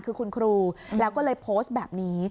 คือคุณครูแล้วก็เลยโพสต์แบบนี้